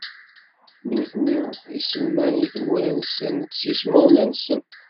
Nutni i isemman i tmura-nsen s yismawen-nsen!